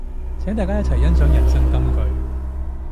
請大家一齊欣賞人生金句